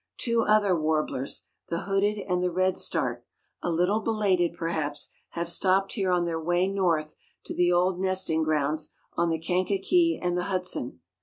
Two other warblers, the hooded and the redstart, a little belated, perhaps, have stopped here on their way north to the old nesting grounds on the Kankakee and the Hudson.